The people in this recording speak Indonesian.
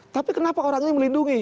tapi kenapa orangnya melindungi